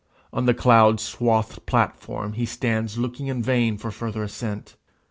On the cloud swathed platform he stands looking in vain for further ascent.